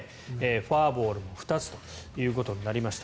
フォアボールも２つということになりました。